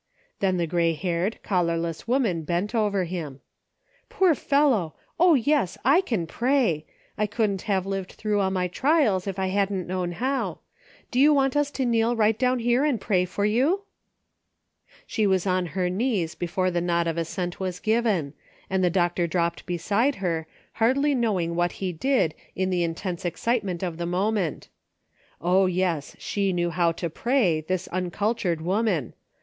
Then the gray haired, collar less woman bent over him. " Poor fellow ! O, yes ! I can />ray ; I couldn't have lived through all my trials if I hadn't known how. Do you want us to kneel right down here ajid pray for you ?" 320 A NIGHT FOR DECISIONS. She was on her knees before the nod of assent was given, and the doctor dropped beside her, hr rdly knowing what he did in the intense excite ment of the moment. O, yes ! she knew how to pray, this uncultured woman.